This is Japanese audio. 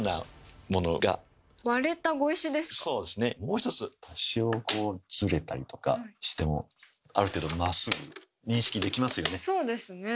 もう一つ多少こうずれたりとかしてもある程度まっすぐ認識できますよね。